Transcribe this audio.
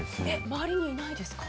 周りにいないですか？